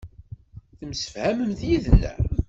Temsefhamemt yid-neɣ.